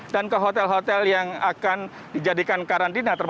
dan ke hotel hotel yang akan dijadikan karantina